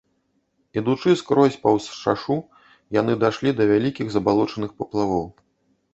Ідучы скрозь паўз шашу, яны дайшлі да вялікіх забалочаных паплавоў.